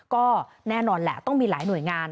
ก็แน่นอนแหละต้องมีหลายหน่วยงาน